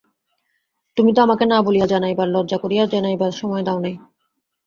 তুমি তো আমাকে না বলিয়া জানাইবার, লজ্জা করিয়া জানাইবার, সময় দাও নাই।